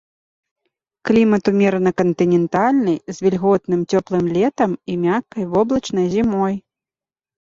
Клімат умерана кантынентальны з вільготным цёплым летам і мяккай воблачнай зімой.